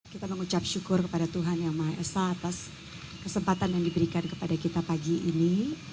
kita mengucap syukur kepada tuhan yang maha esa atas kesempatan yang diberikan kepada kita pagi ini